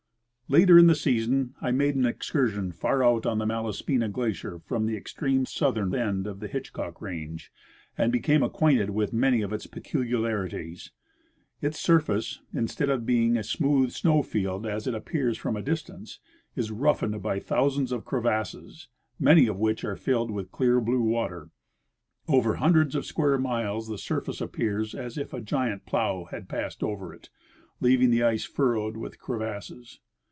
Later in the season I made an excursion far out on the Malas pina glacier from the extreme southern end of the Hitchcock range, and became acquainted with many of its peculiarities. Its surface, instead of being a smooth snow field, as it appears from a distance, is roughened by thousands of crevasses, many of which are filled with clear, blue water. Over hundreds of square miles the surface appears as if a giant plow had passed over it, leaving the ice furrowed with crevasses.